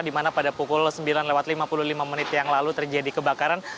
di mana pada pukul sembilan lewat lima puluh lima menit yang lalu terjadi kebakaran